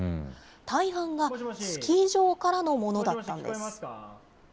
大半がスキー場からのものだったんです。